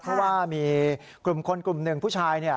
เพราะว่ามีกลุ่มคนกลุ่มหนึ่งผู้ชาย